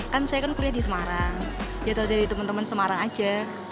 kan saya kan kuliah di semarang jatuh dari teman teman semarang aja